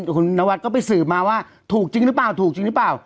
คุณนวัดก็ไปสืบมาว่าถูกจริงหรือเปล่าถูกจริงหรือเปล่า